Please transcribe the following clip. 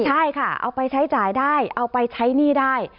ใช่ค่ะเอาไปใช้จ่ายได้เอาไปใช้หนี้ได้